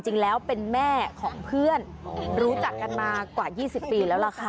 จริงแล้วเป็นแม่ของเพื่อนรู้จักกันมากว่า๒๐ปีแล้วล่ะค่ะ